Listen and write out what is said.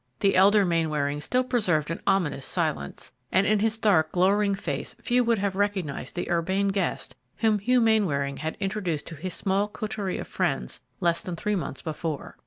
The elder Mainwaring still preserved an ominous silence, and in his dark, glowering face few would have recognized the urbane guest whom Hugh Mainwaring had introduced to his small coterie of friends less than three months before.